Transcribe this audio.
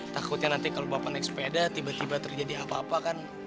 takutnya nanti kalau bapak naik sepeda tiba tiba terjadi apa apa kan